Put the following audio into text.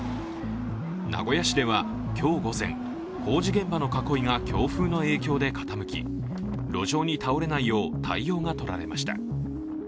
名古屋市では今日午前、工事現場の囲いが強風の影響で傾き路上に倒れないよう、対応がとられました。